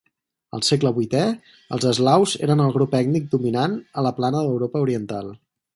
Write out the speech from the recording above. Al segle vuitè, els eslaus eren el grup ètnic dominant a la plana d'Europa oriental.